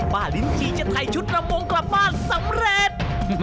ป้าลิ้นทีจะไถ่ชุดลำวงกลับบ้านสำเร็จ